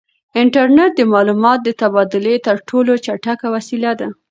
انټرنیټ د معلوماتو د تبادلې تر ټولو چټکه وسیله ده.